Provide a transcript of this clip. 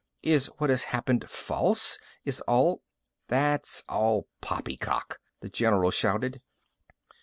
Is what has happened false? Is all " "That's all poppycock!" the general shouted.